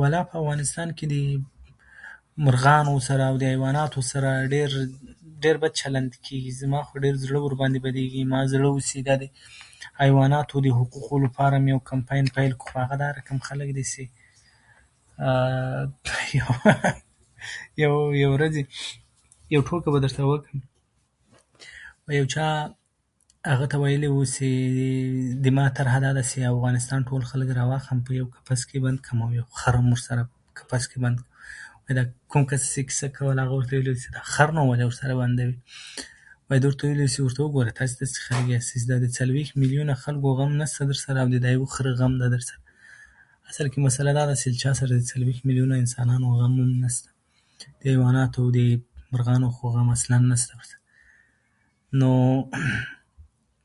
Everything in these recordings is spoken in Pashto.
ولا، په افغانستان کې د مرغانو سره او د حیواناتو سره ډېر بد چلند کېږي. زما خو ډېر زړه ورباندې بدېږي. زما زړه و چې د حیواناتو د حقوقو لپاره هم یو کمپاین پیل کړو، خو هغه دا رقم خلک دي چې یوه ورځ، یوه ورځ یوه ټوکه به درته وکړم. یو چا هغه ته ویلي وو، زما طرحه دا ده چې افغانستان ټول خلک راواخلم او په یو قفس کې یې بند کړم، او یو خر هم ورسره په قفس کې بند کړم. وايي دا کوم کس چې کیسه کوله، هغه ورته ویلي وو چې دا خر نو ولې ورسره بندوې؟ وايي ده ورته ویلي وو چې ورته وګوره، تاسې داسې خلک یاستئ، څلوېښت میلیونه خلکو غم نشته درسره، دا یو خر غم ده درسره. اصل کې مسله دا ده چې چا سره د څلوېښت میلیونه انسانانو غم نشته، د حیواناتو او مرغانو خو غم اصلاً نشته ورسره. نو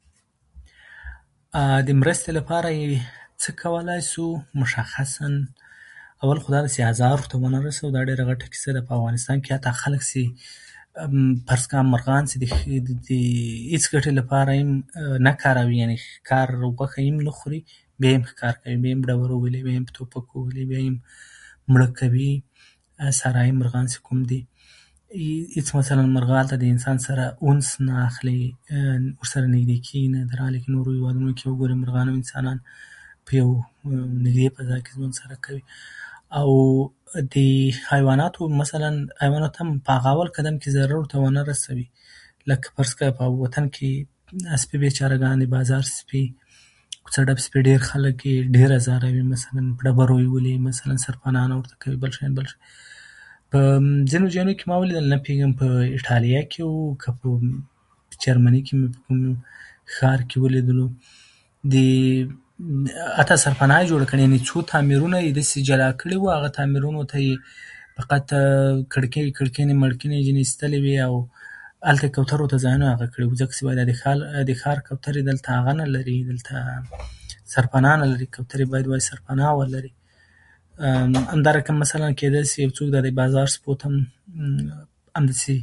د مرستې لپاره یې څه کولای شو مشخصاً؟ اول خو دا چې عذاب ورته ونه رسوو. دا ډېره غټه کیسه ده. په افغانستان کې حتی خلک چې فرض کړه مرغان چې د هېڅ ګټې لپاره یې هم نه کاروي، غوښه یې هم نه خوري، بیا یې هم ښکار کوي، بیا یې هم په ډبرو ولي، بیا یې هم توپکو ولي، بیا یې هم مړ کوي. صحرايي مرغان چې کوم دي، هېڅ مثلاً مرغه هلته د انسان سره انس نه اخلي، ورسره نږدې کېږي نه، درحالې کې نورو هېوادونو کې وګورې، مرغان او انسانان په میلې په ځای کې ژوند سره کوي. او د حیواناتو مثلاً [unintelligible] په هماغه اول قدم کې ضرر ورته ونه رسوي. لکه فرض کړه په وطن کې سپي بېچاره ګان، د بازار سپي، کوڅه ډب سپي، خلک یې ډېر ازاروي. مثلاً په ډبرو یې ولي، سرپناه نه ورته لري، بل شی، بل شی. په ځینو ځایونو کې ما ولیدل، نه پوهېږم په ایټالیا کې و که په جرمني و، په کوم نوم ښار کې ولیدلو، د حتی سرپناه یې جوړه کړې، حتی څو تعمیرونه یې داسې جلا کړي وو، تعمیرونو ته یې فقط کړکۍ مړکیني یې ځینې ایستلې وې، هلته یې کوترو ته ځایونه هغه کړي وو، ځکه وايي چې د ښار کوترې دلته هغه نه لري، دلته سرپناه نه لري. وايي کوترې باید سرپناه ولري. همدارقم مثلاً کېدای شي یو څوک د بازار سپو ته هم همداسې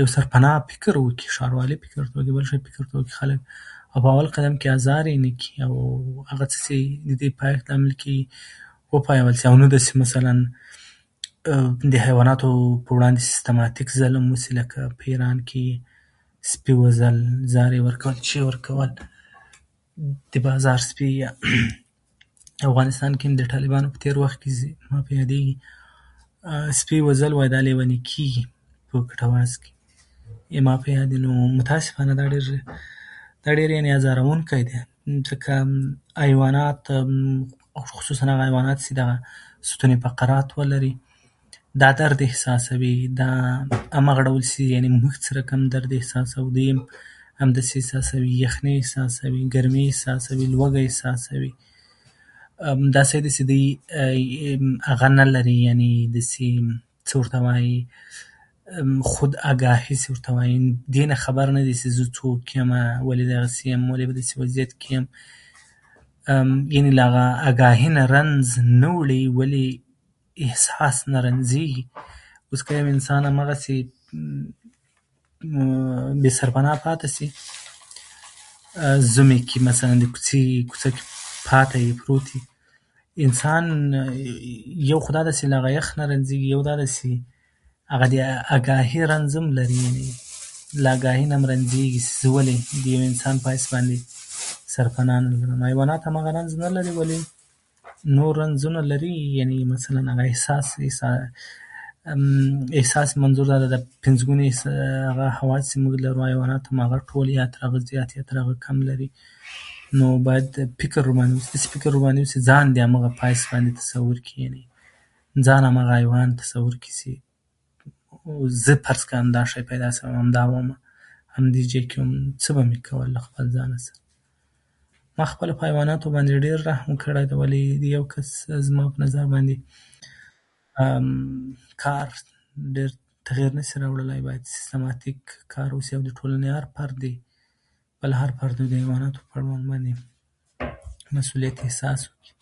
یو سرپناه فکر وکړي، ښاروالۍ فکر وکړي، بل شی فکر وکړي خلک. او بل قدم کې ازار یې نه کړي، او هغه څه چې د دې پایښت لامل کېږي، وپایول شي. نه دا چې مثلاً د حیواناتو په وړاندې سیستماتیک ظلم وشي، لکه په هرات کې سپي وژل، زهر یې ورکول، څه یې ورکول، د بازار سپي. یا افغانستان کې هم د طالبانو په وخت کې چې ما په یادېږي، سپي یې وژل، وايي دا لیوني کېږي. په کټواز کې زما په یاد دي. نو متأسفانه دا خو ډېر، دا ډېر، یعنې ازاروونکی دی، ځکه حیوانات خصوصاً دغه حیوانات چې دغه ستوني فقرات ولري، دا درد احساسوي، همغه ډول چې لکه موږ چې کوم رقم درد احساسوو، همداسې یې احساسوي. یخني احساسوي، ګرمي احساسوي، لوږه احساسوي. داسې ده چې دوی همغه نه لري، یعنې داسې څه ورته وايي، خودآګاهي چې ورته وايي، دې نه خبر نه دي چې زه څوک یمه، ولې داسې یمه، ولې داسې وضعیت کې یم. یعنې له آګاهي نه رنځ نه وړي، ولې احساس نه رنځېږي. اوس که یو انسان هماغسې بې سرپناه پاتې شي، ژمي کې مثلاً د کوڅې یا کوڅه کې پاتې وي، پروت وي، انسان یو خو دا دی چې له یخ نه رنځېږي، بل دا ده چې هغه د آګاهي رنځ هم لري. یعنې له آګاهي نه هم رنځېږي چې زه ولې د انسان په حیث سرپناه نه لرم. حیوانات هماغه رنځ نه لري، ولې نور رنځونه لري. یعنې مثلاً هغه احساس احسا احساس، منظور دا ده چې پنځګوني حواس چې موږ لري، حیوانات هغه ټول یا له زیات یا کم لري. نو باید فکر ورباندې وشي، داسې فکر ورباندې وشي، ځان د هماغه په حیث باندې تصور کړي. یعنې ځان هماغه حیوان تصور کړي چې زه فرض کړه دا پیدا شوی وم، همدا ومه، همدې ځای کې وم، څه به مې کول له خپل ځانه سره؟ ما خپله په حیواناتو باندې ډېر رحم کړی ده، ولې د یو کس زما په نظر باندې کار ډېر تغییر نشي راوړلی. باید سیستماتیک کار وشي، او د ټولنې هر فرد د حیواناتو په اړوند باندې مسوولیت احساس وکړي.